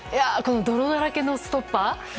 泥だらけのストッパー。